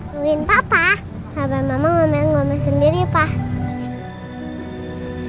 nungguin papa sabar mama ngomel ngomel sendiri pak